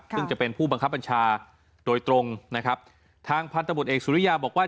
ซึ่งจะเป็นผู้บังคับบัญชาโดยตรงนะครับทางพันธบทเอกสุริยาบอกว่า